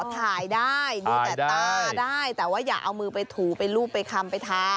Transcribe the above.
ถ่ายได้ดูแต่ตาได้แต่ว่าอย่าเอามือไปถูไปรูปไปคำไปทา